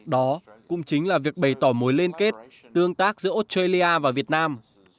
đó cũng chính là việc bày tỏ mối liên kết tương tác giữa australia và việt nam